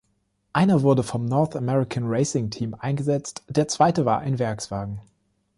Einer wurde vom North American Racing Team eingesetzt, der zweite war ein Werkswagen.